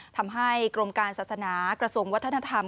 ทำให้กรมการศาสนากระทรวงวัฒนธรรม